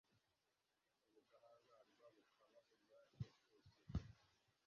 Ubudahangarwa bukaba ubwacu twese .